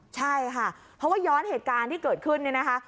ใช่ค่ะเพราะว่าย้อนเหตุการณ์ที่เกิดขึ้นเนี่ยนะคะ